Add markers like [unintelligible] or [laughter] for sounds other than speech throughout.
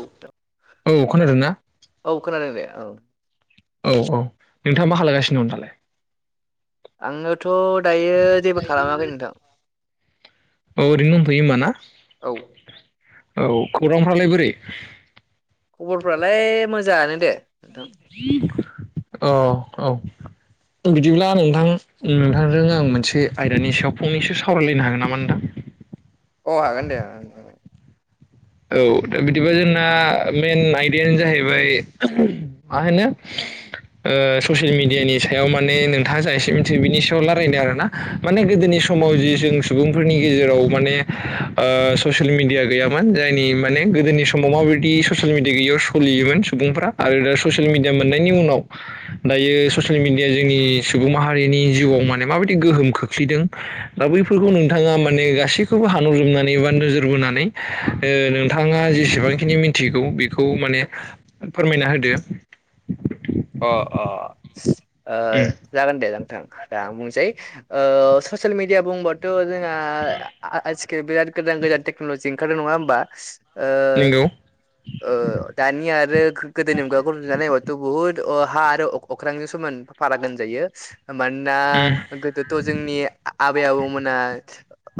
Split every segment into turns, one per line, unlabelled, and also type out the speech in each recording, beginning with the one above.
औ [unintelligible]
औ खोनादोंना
औ खोनादों दे औ
औ औ नोंथाङा मा खालागासिनो दं दालाय?
आङोथ' दायो जेबो खालामाखै नोंथां
होयोमाना
औ
औ खौरांफ्रालाय बोरै?
खबरफ्रालाय मोजाङानो दे नोंथां
अ औ त बिदिब्ला नोंथां नोंथांजों आं मोनसे आयदानि सायाव फंनैसो सावरायलायनो हागोन नामा नोंथां
अ हागोन दे [unintelligible] उम
औ दा बिदिबा जोंना मेन आयदायानो जाहैबाय मा होनो ओ ससिल मिडियानि सायाव माने नोंथाङा जा एसे मिथियो बिनि सायाव लारायनो आरोना माने गोदोनि समाव जि जों सुबुंफोरनि गेजेराव माने ओ ससियेल मिडिया गैयामोन जायनि माने गोदोनि समाव माबायदि ससिल मिडि गैयियाव सोलियोमोन सुबुंफ्रा आरो दा ससियेल मिडियाम मोननायनि उनाव दायो ससियेल मिडिया जोंनि सुबुं माहारिनि जिउआव माने माबायदि गोहोम खो खोख्लैदों दा बैफोरखौ नोंथाङा माने गासैखौबो हान'रजोबनानै बा नोजोर बोनानै ओ नोंथाङा जेसेबांखिनि मिन्थिगौ बेखौ माने फोरमायना होदो
अ अ ओ
उम
जागोन दे जां थां दा आं बुंनोसै ओ ससेल मिडिया बुंबाथ' जों आ आजकि बिराद गोदान गोदान टेक्न'ल'जि ओंखारदों नङा होमबा ओ
नोंगौ
ओ दानि आरो गोदोनि [unintelligible] नायबाथ' बहुत अ हा आरो अ अख्रांजों समान फाराग होनजायो मानोना गोदोथ' जोंनि आ आबै आबौमोना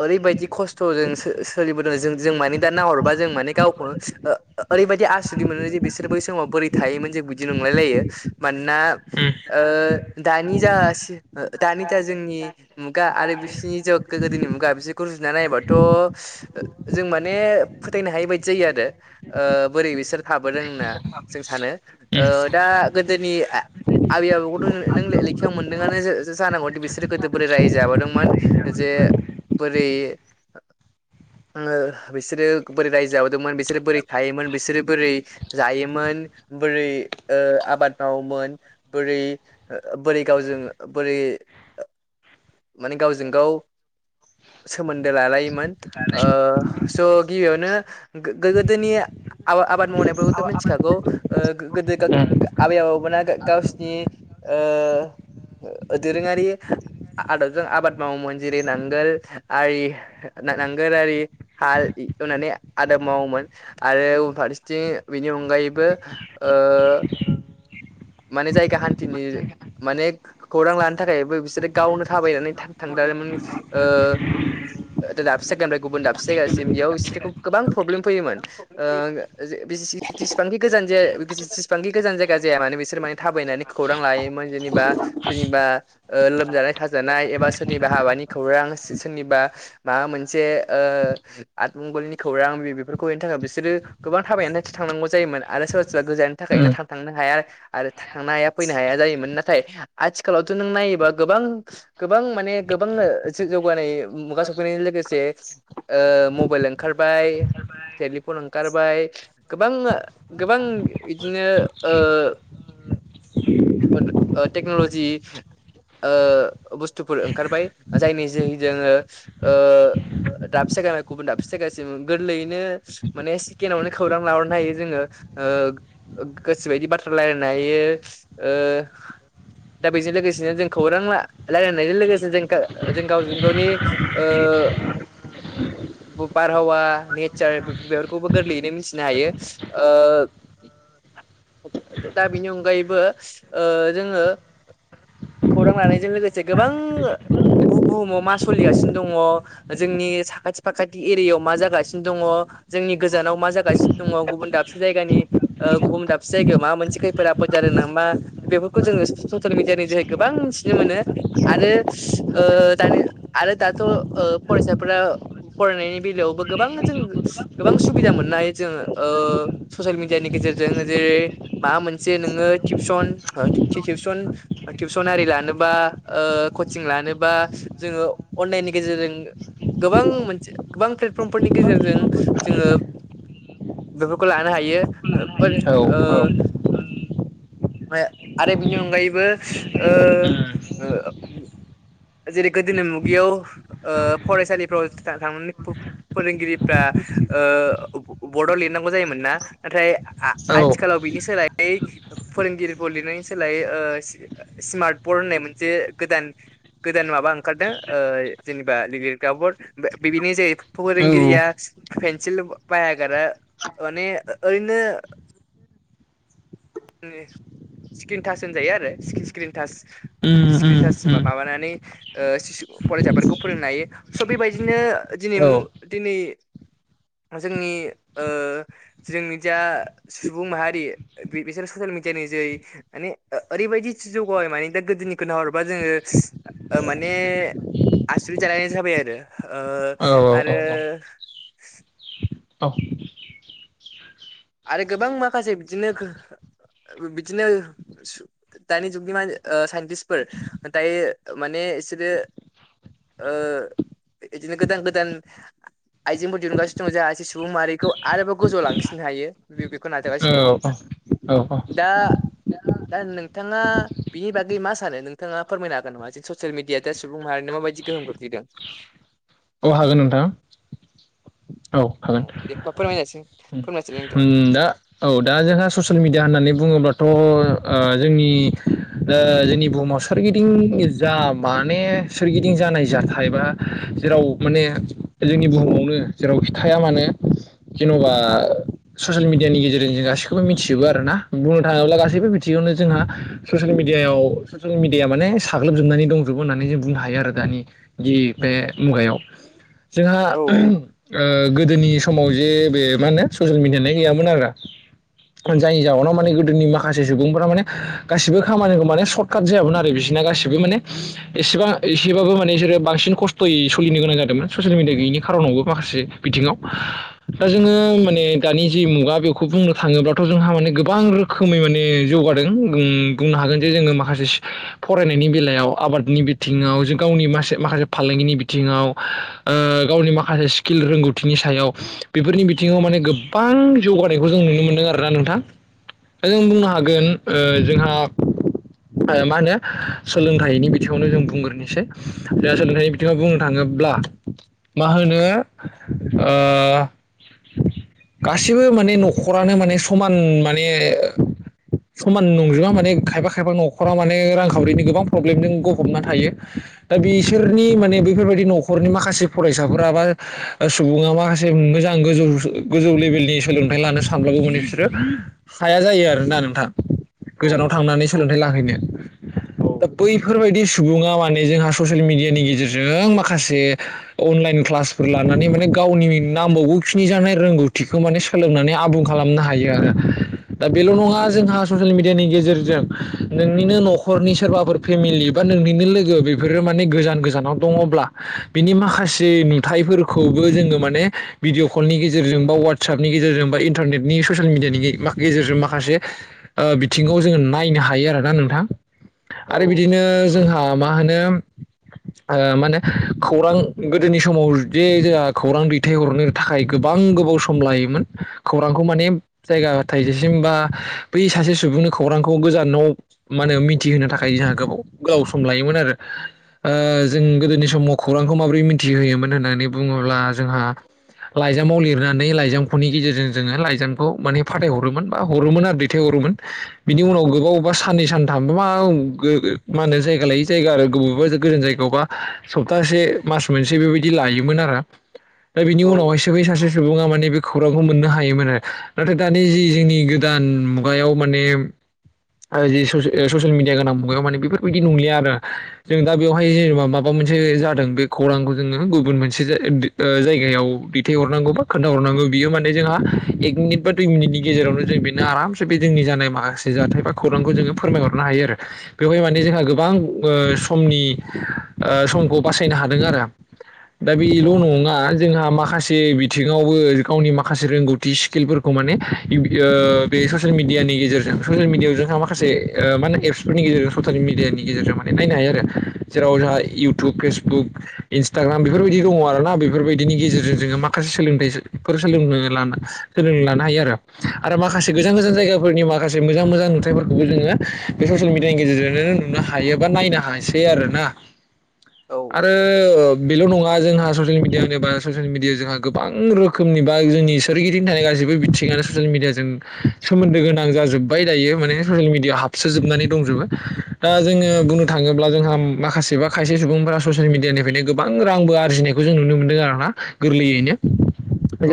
ओरैबायदि खस्थ'जों सो सोलिबोदों जों जों माने दा नाहरबा जों माने गावखौ ओ ओ ओरै बेबायदि आसुदि मोनो जे बिसोर बै समाव बोरै थायोमोन जों बिदि नंलायलायो मानोना ओ दानि जा सि दानि दा जोंनि मुगा आरो बिसोरनि ज गोदोनि मुगा बिसोरखो रुजुना नायोबाथ' जों माने फोथायना हायोबायदि जायो आरो ओ बोरै बिसोर थाबोदों होनना जों सानो ओ दा गोदोनि आ आबै आबौखौथ' नों नों लेखायाव मोनदोंआनो जा जा जानांगौ दि बिसोरो गोदो बोराराय रायजोजाबोदोंमोन जे ए बोरै ओ बिसोर बोरै रायजो जाबोद मोन बिसोर बोरै थायोमोन बिसोरो बोरै जायोमोन बोरै ओ आब बाद मावोमोन बोरै बोरै गावजों बोरै माने गावजों गाव सोमोन्द दो लालायोमोन ओ स' गिबियावनो गो गोदोनि आबा आबाद मावनायफोरखौथ' मिन्थिखागौ ओ गोदो गो आबै आबौमोना गा गावसिनि ओ दोरोङारि आ आदबजों आबाद मावोमोन जेरै नांगोल आरि ना नांगोल आरि हाल इ हेवनानै आदाब मावोमोन आरो फारसेथिं बिनि अनगायैबो ओ माने जायगा हान्थिनि माने खौरां लानो थाखायबो बिसोरो गावनो थाबायनानै था थां [unintelligible] ओ दाबसे जायगानिफ्राय गुबुन दाबसे जायगासिम इयाव इसोरखौ गोबां प्रब्लेम फैयोमोन ।ओ जे [unintelligible] [unintelligible] थाबायनानै खौरां लायोमोन ।जिनिबा, सोरनिबा ओ लोमजानाय- साजानाय एबा सोरनिबा हाबानि खौरां सो -सोनिबा माबा मोनसे ओ आतमंगलनि खौरां बि -बिफोर बेखौ हैनो थाखाय बिसोरो गोबां थाबायनानै था थांनांगौ जायोमोन आरो सोरबा- सोरबा गोजाननि थाखायनो था -थांनो हाया। आरो था-थांनो हाया फैनो हाया जायोमोन। नाथाय आथिखालावथ' नों नायोबा गोबां- गोबां माने गोबां जौगानाय मुगा सफैनायजों लोगोसे ओ मबाइल ओंखारबाय। टेलिफन ओंखारबाय गोबां -गोबां इदिनो ओ
ओम।
[unintelligible] टक्न'लजि ओ बुस्थुफोर ओंखारबाय जायनि जै जोङो ओ दाबसेगा गुबुन दाबसे जायगासिम गोरलैयैनो माने सिकेणआवनो खौरां लाहरनो हायो जोङो। ओ गो- गोसो बायदि बाथ्रा रायलायनाय हायो ओ दा बेजों लोगोसेनो जों खौरां रा- रायलायनायजों लोगोसे जों गावजों -गावनि ओ।
[unintelligible]
बारहावा नेचार बे- बेफोरखौबो गोरलैयैनो मिथिनो हायो ओ [unintelligible] दा बिनि अनगायैबो ओ जोङो खौरां लानायजों लोगोसे गोबां बु- बुहुमाव मा सोलिगासिनो दङ, जोंनि साखाथि- फाखाथि एरियायाव मा जागासिनो दङ। जोंनि गोजानाव मा जागासिनो दङ ।गुबुन दाबसे जायगानि ओ गुबुन दाब जायगायाव मा मोनसे खैफोद आफोद जादों ना मा? बेफोरखौ जोङो ससियेल मिडियानि जोहै गोबां मिथिनो मोनो। आरो ओ दानि आरो दाथ' ओ फरायसाफोरा फरायनायनि बेलायाव गोबां जों गोबां सुबिदा मोननो हायो जों ओ सुसेल मिदियानि गेजेरजों। जेरै माबा मोनसे नोङो टिउसन -टि-टिउसन -टिउसन आरि लानोबा। ओ कचिं लानोबा जोङो अनलाइननि गेजेरजों गोबां मोनसे [unintelligible] गोबां प्लेटफर्म फोरनि गेजेरजों जोङो बेफोरखौ लानो हायो। [unintelligible] [unintelligible] [unintelligible] आरो बिनि अनगायैबो ओ। [unintelligible] जेरै गोदोनि मुगियाव ओ फरायसालिफ्राव था-थांनानै फो- फोरोंगिरिफ्रा ओ ब-बर्डआव लिरनांगौ जायोमोन ना? नाथाय आ- आथिखालाव बिनि सोलायै फोरोंगिरिखौ लिरनायनि सोलाय ओ स- स्मार्ट बरड होननाय मोनसे गोदान गोदान माबा ओंखारदों ओ जेनेबा लि- लिरग्राफोर बि-बिनो जाय फोरोंगिरिया पेन्सिल बा- बायागारा माने ओ-ओरैनो स्क्रिन टास होनजायो सि- स्क्रिन टास। स्क्रिन टाच माबानानै ओ [unintelligible] फरायसाफोरखौ फोरोंनो हायो स' बेबायदिनो [unintelligible] [unintelligible]
औ
जोंनि ओ जोंनि जा सुबुं माहारि बिसोर सुसियेल मिडिया जै माने ओ-ओरैबायदि जौगाबाय माने दा गोदोनिखौ नाहरबा जोङो ओ माने आसरिद जालायनाय जाबाय
औ औ
आरो ओ आरो गोबां माखासे बिदिनोखो बिदिनो सु- दानि जुगनि ओ साइन्टिस्फोर दायो माने इसोर ओ इदिनो गोदान -गोदान। आइजेंफोर दिहुनगासिनो दं ।जाहासे सुबुं माहारिखौ आरोबाव गोजौ लांसिंनो हायो। बे बेखौ नाजागासिनो
औ, औ,
दङ दा
औ। [unintelligible]
दा नोंथाङा बिनि बागै मा सानो, नोंथाङा फोरमायनो हागोन नामा? जों ससियेल मिडिया दा सुबुं माहारिनो माबायदि गोहोम गोग्लैदों।
अ हागोन नोंथां। औ हागोन।
बे फोरमायनायसै फोरमायसै नोंथां
ओम दा औ दा जोंहा ससियेल मिडिया होननानै बुङोमोन अ ओ जोंनि ओ जोंनि बुहुमाव सोरगिदिं जा माने सोरगिदिं जानाय जाथाय बा जेराव माने जोंनि बुहुमावनो जेराव थायामानो ऐ जेन'बा ससियेल मिडियानि गेजेरजों जों गासिखौबो मिथिजोबो आरो ना बुंनो थाङोब्ला गासैबो मिथियावनो जोंहा ससियेल मिडिया मिडियाव ससियेल मिडिया माने साग्लोबजोबनानै दंजोबो होननानै जों बुंनो हायो आरो दानि बे मुगाया‌व जोंहा
औ
ओ गोदोनिसमाव जे बे मा होनो ससियेल मिडियानो गैयामोन आरो। जायनि जाहोनाव माने गोदोनि माखासे सुबुंफोरा माने गासिबो खामानिखौ माने सर्ट काट जायामोन आरो बिसोर बि गासिबो माने एसेबां एसेबाबो माने बिसोरो बांसिन खस्थ'यै सोलिनो गोनां जादोंमोन ससियेल मिडिया गैयै खारनावबो माखासे बिथिङाव दा जोङो माने दानि जि मुगा बेखौ बुंनो थाङोब्लाथ' जोंहा माने गोबां रोखोमै माने जौगादों बुंनो ओम हागोन जे जोङो माखासे फरायनायनि बेलायाव आबादनि बिथिङाव जों गावनि मासे माखासे फालांगिनि बिथिङाव गावनि माखासे स्किल रोंगौथिनि सायाव बेफोरनि बिथिङाव माने गो गोबां जौगानायखौ जों नुनो मोन्दों आरोना नोंथां। दा जों बुंनो हागोन ओ जोंहा मा होनो सोलोंथाइनि बिथिङावनो जों बुंग्रोनोसै जा सोलोंथाइनि बिथिङाव बुंनो थाङो ब्ला मा होनो ओ गासिबो माने न'खरानो माने समान माने समान नंजुबा माने खायफा खायफा न'खरा माने रांखावरिनि गोबां प्रब्लेमजों गफबना थायो। दा बिसोरनि माने बेैफोरबायदि न'खरनि माखासे फरायसाफोरा बा सुबुङा माखासे मोजां गोजौ गोजौ लेभेलनि सोलोंथाइ लानो सानब्लाबो माने बिसोरो हाया जायो आरोना नोंथां।
औ
गोजानाव थांनानै सोलोंथाइ लाहैनो।
औ
दा बैफोरबायदि सुबुङा माने जोंहा ससियेल मिडियानि गेजेरजों माखासे अनलाइन क्लासफोर लानानै माने गावनि नामावबो खिनि जानाय रोंगौ थिखौ माने सोलोंनानै आबुं खालामनो हायो आरो दा बेल' नङा जोंहा ससियेल मिडियानि गेजेरजों नोंनिनो न'खरनि सोरबाफोर फेमिलि बा नोंनिनो लोगो बेफोरो माने गोजान गोजानाव दङ। अ‌ब्ला बेनिमाखासे नुथाइफोरखौबो जोङो माने भिडिअ कलनि गेजेरजों ववाट्सएपनि गेजेरजों बा इन्टारनेटनि ससियेल मिडियानि गेजेरजों माखासे ओ बिथिंङाव जोङो नायनो हायो आरोना नोंथां
औ
आरो बिदिनो जोंहा मा होनो ओ माहोनो खौरां गोदोनि समाव दि जोंहा खौरां दैथायहरनो थाखाय गोबां गोबाव सम सम लायोमोन खौरांखौ माने जायगा थाइजेसिम बा बै सासे सुबुंनो खौरांखौ गोजानाव माहोनो मिथिहोनो थाखाय जोंहा गोबाव गोबाव सम लायोमोन आरो। ओ जों गोदोनि समाव खौरांखौ माबोरै मिथिहोयोमोन होननानै बुङोब्ला जोंहा लाइजामाव लिरना लाइजामनि गेजेरजों जोङो लाइजामखौ माने फाथायहरोमोन बा हरोमोन आरो दैथायहरोमोन बिनि उनाव उनाव गोबावबा साननै सान थामबा मा मा होनो जायगा लायि जायगा आरो गोबावबा गोजान जायगायावबा सप्तासे मास मोनसे बेबायदि लायोमोन आरो दा बिनि
औ
उनावहायसो बै सासे सुबुङा माने बे खौरांखौ मोननो हायोमोन आरो नाथाय दानि जि जोंनि गोदान मुगायाव माने आरो जि ससे ससियेल मिडिया गोनां बुं माने बेफोरबायदि नंलिया आरो जों दा बेवहाय जेनेबा माबा मोनसे जादों बे खौरांखौ जोङो गुबुन मोनसे ओ जायगायाव दैथायहरनांगौबा खोन्थाहरनांगौ बियो माने जोंहा एक मिनिट बा दुइ मिनिटनि गेजेरावनो जों बेनो आरामसे बे जोंनि जानाय माखासे जाथाय बा खौरांखौ जोङो फोरमायहरनो हायो आरो बेवहाय माने जोंहा गोबां ओ समनि ओ समखौ बासायनो हादों आरो दा
औ
बेल' नङा जोंहा माखासे बि बिथिङावबो गावनि माखासे रोंगौथि स्किलफोरखौ माने ओ बे ससियेल मिेडियानि गेजेरजों ससियेल मिडिआव जोंहा माखासे ओ मा एप्सफोरनि गेजेरजों ससियेल मिडियानि गेजेरजों माने नायनो हायो आरो जेराव जोहा इउटुब फेसबुक इनसटाग्राम बेफोरबायदि दङ आरो ना बेफोरबायदिनि गेजेरजों जोङो मा माखासे सोलोंथाइफोर सोलोंनो लाना सोलों लानो हायो आरो आरो माखासे गोजान गोजान जायगाफोरनि माखासे मोजां मोजां नुथायफोरखौबो जोङो बे ससियेल मिडियानि गेजेरजोंनो नुनो हायो एबा नायनो हासै आरो। ना आरो बेल' नङा जोंहा ससियेल मिडिया होनोबा ससियेल मिडिया जोंहा गोबां रोखोमनि बा जोंनि सोरगिदिं थानाय गासिबो बिथिङनो ससियेल मिडिया जों सोमोन्दो गोनां जा जोब्बाय दायो माने ससियेल मिडियाआव हाबसोजोबनानै दंजोबो। दा जोङो बुंनो थाङोब्ला जोंहा माखासेबा खायसे सुबुंफोरा ससियेल मिडियानिफ्रायनो गोबां रांबो आरजिनायखौ जों नुनो मोन्दों आरो ना गोरलैयैनो।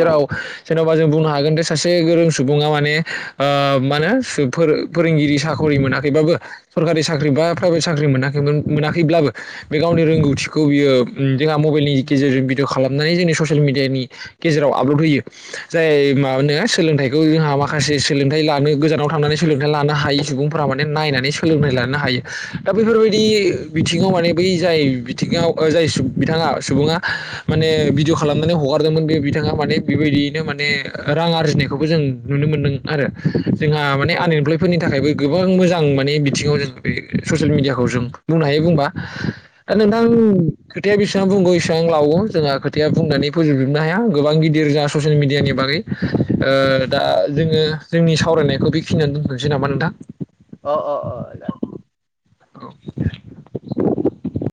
औ
जेन'बा जों बुंनो हा गोनथ' सासे गोरों सुबुङा माने ओ मा होनो फोरोंगिरि साख'रि मोनाखैबाबो सरकारि साख्रि बा प्राइभेट साख्रि मोनाखैमोन मोनाखैब्लाबो बे गावनि रोंगौथिखौ बियो उम जोंहा मबाइलनि गेजेरजों भिडिअ खालामनानै जोंनि ससियेल मिडियानि गेजेराव आपलड होयो जाय माबा नोङा सोलोंथाइखौ जोंहा माखासे सोलोंथाइ लानो गोजानाव थांनानै सोलोंथाइ लानो हायि सुबुंफोरा माने नायनानै सोलोंथाइ लानो हायो। दा बेफोरबायदि बिथिङाव माने बै जाय बिथिङाव जाय बिथाङा सुबुङा माने भिडिअ खालामनानै हगार दोंमोन बे बिथाङा माने बिबायदियैनो माने रां आरजिनायखौबो जों नुनो मोनदों आरो। जोंहा माने
औ
आनइमप्लय फोरनि थाखायबो गोबां मोजां आं माने बिथिङाव जों बे ससियेल मिडियाखौ जों बुंनो हायो बुंबा। दा नोंथां खोथाया बेसेबां बुंगौ बेसेबां लावो जोंहा खोथाया बुंनानै फोजोबजोबनो हाया गोबां गिदिर जा ससियेल मिडियानि बागै ओ दा जोङो जोंनि साव रायनायखौ बेखिनियावनो दोनथ'नोसै नामा नोंथां?
अ अ अ जागोन।
औ।